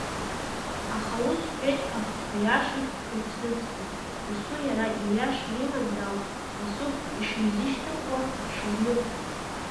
Аха ус сҳәеит ҳәа, аиашагь иацрыҵтәым, дасу иара ииаша имазар ауп, дасу ишизышьҭхуа, ишизныҟәго.